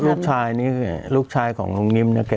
ลูกชายนี้ลูกชายของนุ้นนิมเนี่ย